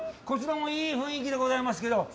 こちらもいい雰囲気でございますけど。